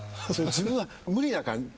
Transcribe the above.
自分は無理だから。